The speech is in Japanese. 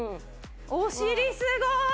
お尻すごい！